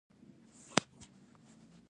وادي د افغانانو د فرهنګ پیژندني برخه ده.